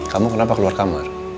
kamu kenapa keluar kamar